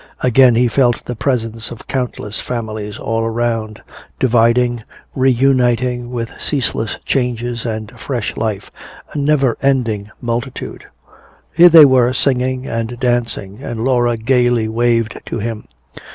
Again he felt the presence of countless families all around, dividing, reuniting, with ceaseless changes and fresh life a never ending multitude. Here they were singing and dancing, and Laura gaily waved to him.